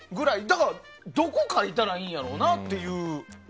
だから、どこ書いたらいいんやろうなっていう。